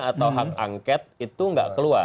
atau hak angket itu nggak keluar